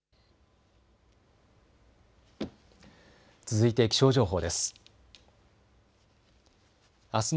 続いて気象情報です。